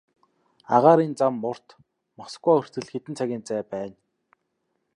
Агаарын зам урт, Москва хүртэл хэдэн цагийн зай байна.